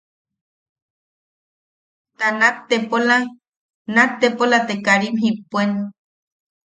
Te nat tepola... nat tepola te karim jippuen.